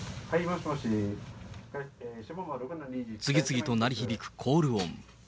次々と鳴り響くコール音。